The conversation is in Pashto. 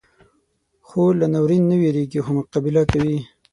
خور له ناورین نه وېریږي، خو مقابله کوي.